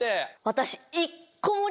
私。